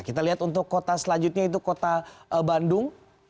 kita lihat untuk kota selanjutnya itu kota bandung